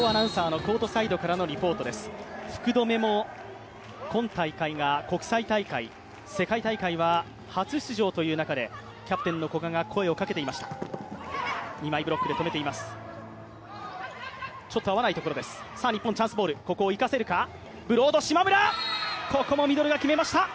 福留も今大会が国際大会、世界大会は初出場という中でキャプテンの古賀が声をかけていました。